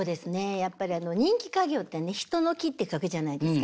やっぱり人気稼業ってね「人」の「気」って書くじゃないですか。